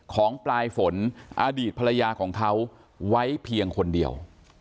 ของปลายฝนอดีตภรรยาของเขาไว้เพียงคนเดียว